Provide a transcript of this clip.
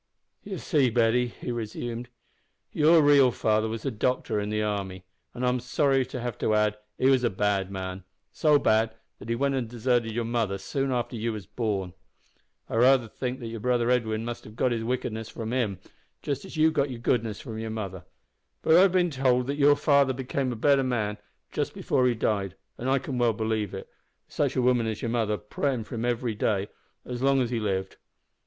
"You see, Betty," he resumed, "your real father was a doctor in the army, an' I'm sorry to have to add, he was a bad man so bad that he went and deserted your mother soon after you was born. I raither think that your brother Edwin must have got his wickedness from him, just as you got your goodness from your mother; but I've bin told that your father became a better man before he died, an' I can well believe it, wi' such a woman as your mother prayin' for him every day, as long as he lived.